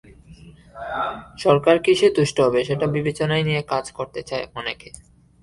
সরকার কিসে তুষ্ট হবে, সেটা বিবেচনায় নিয়ে কাজ করতে চায় অনেকে।